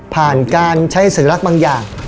การใช้สัญลักษณ์บางอย่าง